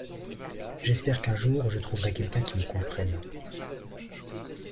J’espère qu’un jour, je trouverai quelqu’un qui me comprenne.